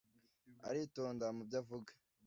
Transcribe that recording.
aritonda mu byo avuga